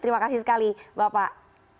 terima kasih sekali bapak